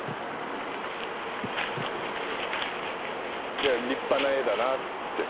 いや立派な絵だなぁって。